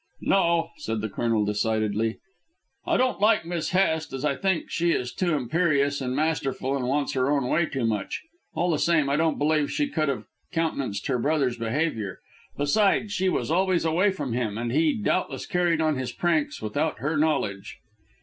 "No," said the Colonel decidedly. "I don't like Miss Hest, as I think she is too imperious and masterful and wants her own way too much. All the same, I don't believe she would have countenanced her brother's behaviour. Besides, she was always away from him, and he doubtless carried on his pranks without her knowledge."